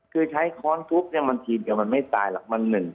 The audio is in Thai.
คือใช้ค้อนทุบทีเดียวมันไม่ตายมันหนึ่ง